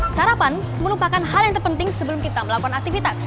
sarapan merupakan hal yang terpenting sebelum kita melakukan aktivitas